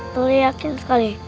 tolong yakin sekali